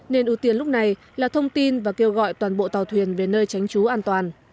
nên ưu tiên lúc này là thông tin và kêu gọi toàn bộ tàu thuyền về nơi tránh trú an toàn